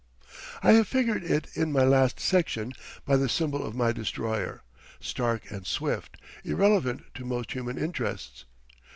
I have figured it in my last section by the symbol of my destroyer, stark and swift, irrelevant to most human interests.